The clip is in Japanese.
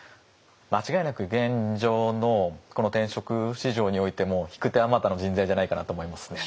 間違いなく現状のこの転職市場においても引く手あまたの人材じゃないかなと思いますね。